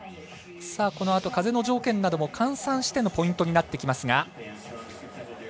このあと、風の条件なども換算してのポイントになってきます。